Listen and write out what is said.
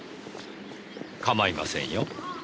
構いませんよ。